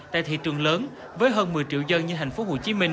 tại thị trường lớn với hơn một mươi triệu dân như thành phố hồ chí minh